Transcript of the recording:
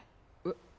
えっ？